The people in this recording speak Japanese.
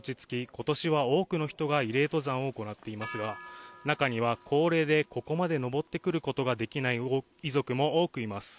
今年は多くの人が慰霊登山を行っていますが中には高齢でここまで登ってくることができない遺族も多くいます